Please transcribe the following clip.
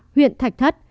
huyện thạch thất